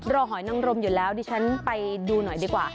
หอยนังรมอยู่แล้วดิฉันไปดูหน่อยดีกว่า